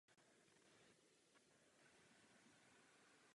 V sedmnácti letech se s rodiči přestěhoval do Spojených států.